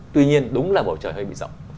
tuy nhiên đúng là bầu trời hơi bị rộng